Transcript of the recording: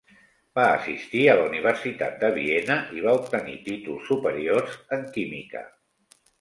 Va assistir a la Universitat de Viena i va obtenir títols superiors en química.